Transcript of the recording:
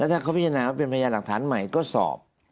ถ้าเขาพิจารณาว่าเป็นพยานหลักฐานใหม่ก็สอบ